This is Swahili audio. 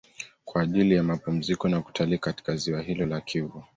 Kwa ajili ya mapumziko na kutalii katika Ziwa hilo la Kivu